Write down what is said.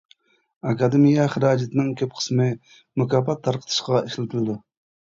ئاكادېمىيە خىراجىتىنىڭ كۆپ قىسمى مۇكاپات تارقىتىشقا ئىشلىتىلىدۇ.